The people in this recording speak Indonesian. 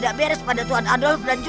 tak sejarah sesuai dengan keajaibanku